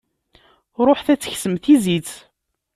Ruḥet ad teksem tizit.